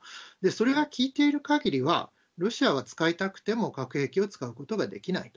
それが効いているかぎりは、ロシアは使いたくても核兵器を使うことができない。